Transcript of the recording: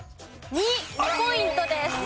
２ポイントです。